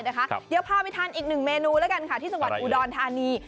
เดี๋ยวพาไปทานอีกหนึ่งเมนูที่สวรรค์อุดอนธานี